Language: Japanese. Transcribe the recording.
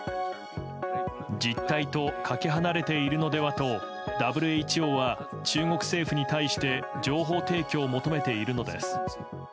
実態とかけ離れているのではとＷＨＯは、中国政府に対して情報提供を求めているのです。